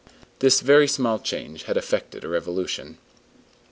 This very small change had effected a revolution.